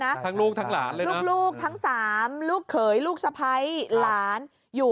ทั้งลูกทั้งหลานเลยลูกลูกทั้งสามลูกเขยลูกสะพ้ายหลานอยู่